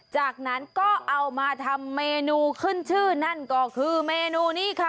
จากนั้นก็เอามาทำเมนูขึ้นชื่อนั่นก็คือเมนูนี้ค่ะ